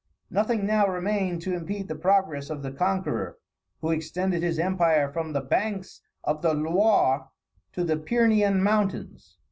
Nothing now remained to impede the progress of the conqueror, who extended his empire from the banks of the Loire to the Pyrenean mountains.